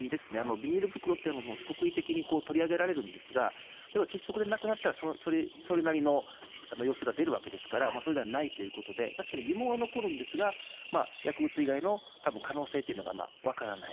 ビニール袋というのも特異的に取り上げられるんですが、例えば窒息で亡くなった、それなりの様子が出るわけですから、それではないということで、確かに疑問は残るんですが、薬物以外のたぶん可能性というのが、分からない。